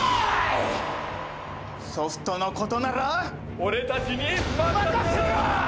ソフトのことなら俺たちに任せろ！